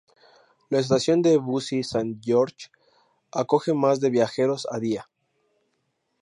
La estación de Bussy-Saint-Georges acoge más de viajeros a día.